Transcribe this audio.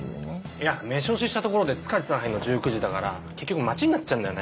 いやメシ押ししたところで塚地さん入るの１９時だから結局待ちになっちゃうんだよね。